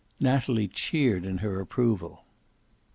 Natalie cheered in her approval.